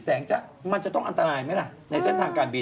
แล้วก็ใหญ่มันจะต้องอันตรายไหมล่ะในแส่งทางการบิน